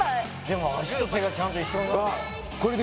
でも足と手がちゃんと一緒にならない。